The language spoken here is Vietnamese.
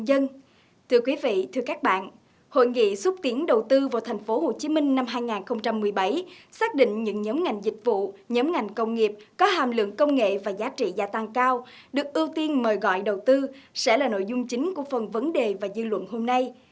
để xúc tiến đầu tư vào tp hcm năm hai nghìn một mươi bảy xác định những nhóm ngành dịch vụ nhóm ngành công nghiệp có hàm lượng công nghệ và giá trị gia tăng cao được ưu tiên mời gọi đầu tư sẽ là nội dung chính của phần vấn đề và dư luận hôm nay